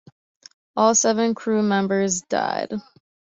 All seven crew members died.